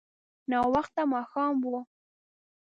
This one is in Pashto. ناوخته ماښام و.